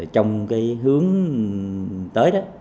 trong cái hướng tới đó